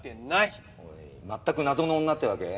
全く謎の女ってわけ？